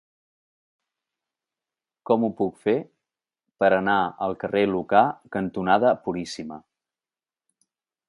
Com ho puc fer per anar al carrer Lucà cantonada Puríssima?